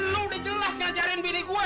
lo udah jelas ngajarin bini gue